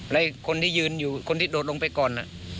และคนที่ยืนอยู่คนที่โดดลงไปก่อน